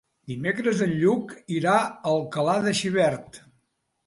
Dimecres en Lluc irà a Alcalà de Xivert.